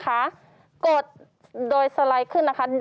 กด๕ครั้ง